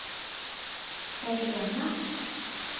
繼續飲啦